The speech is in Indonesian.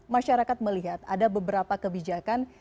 masyarakat melihat ada beberapa kebijakan